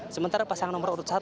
sementara pasangan nomor urut satu